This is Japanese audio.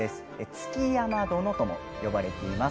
築山殿とも呼ばれています。